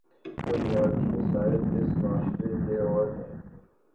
بنیادی مسائل اس معاشرے کے اور ہیں۔